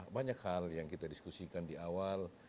banyak hal yang kita diskusikan di awal